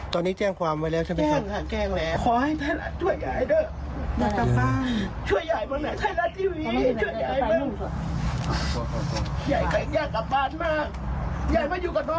ตอนนี้แจ้งความไว้แล้วใช่ไหม